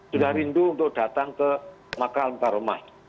sudah rindu untuk datang ke makal mekarumah